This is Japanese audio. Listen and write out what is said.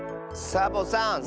サボさん。